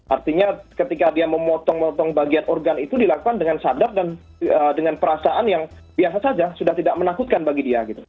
artinya ketika dia memotong motong bagian organ itu dilakukan dengan sadar dan dengan perasaan yang biasa saja sudah tidak menakutkan bagi dia